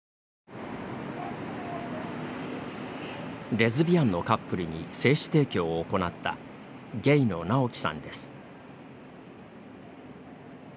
レズビアンのカップルに精子提供を行ったゲイの直樹さんです。